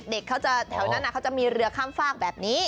เด็กเขาจะแถวนั้นเขาจะมีเรือข้ามฝากแบบนี้